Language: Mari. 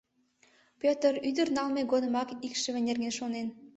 Пӧтыр ӱдыр налме годымак икшыве нерген шонен.